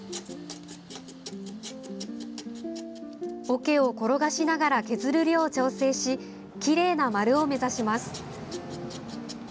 おけを転がしながら削る量を調整しきれいな丸を目指します。